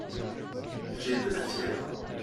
J’ai de la fièvre.